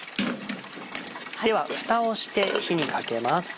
ではふたをして火にかけます。